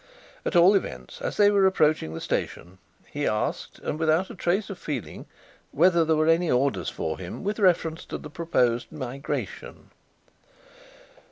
At all events, as they were approaching the station he asked, and without a trace of feeling, whether there were any orders for him with reference to the proposed migration.